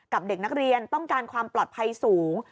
เด็กนักเรียนต้องการความปลอดภัยสูง